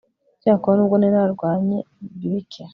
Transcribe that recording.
Icyakora nubwo nari nararwanye bike